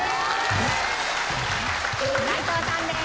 齋藤さんです。